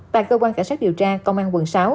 và cơ quan cảnh sát điều tra công an quận sáu